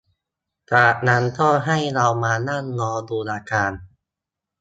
จากนั้นก็ให้เรามานั่งรอดูอาการ